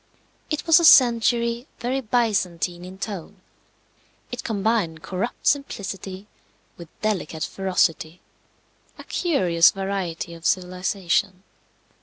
It was a century very Byzantine in tone. It combined corrupt simplicity with delicate ferocity a curious variety of civilization.